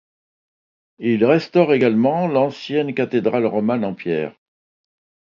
Il restaure également l'ancienne cathédrale romane en pierre.